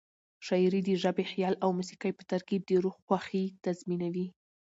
شاعري د ژبې، خیال او موسيقۍ په ترکیب د روح خوښي تضمینوي.